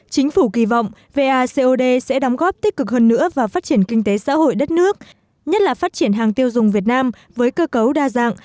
chính phủ kỳ vọng vacod sẽ đóng góp tích cực hơn nữa vào phát triển kinh tế xã hội đất nước nhất là phát triển hàng tiêu dùng việt nam với cơ cấu đa dạng